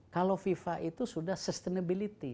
kalau fifa itu sudah sustainability